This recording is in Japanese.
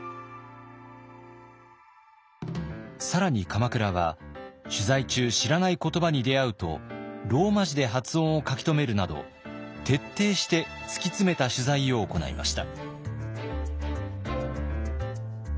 更に鎌倉は取材中知らない言葉に出会うとローマ字で発音を書き留めるなど徹底して突き詰めた取材を行いました。